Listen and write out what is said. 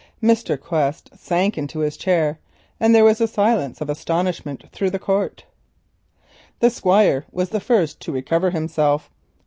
Mr. Quest sank into his chair, and a silence of astonishment fell upon the court. The Squire was the first to recover himself.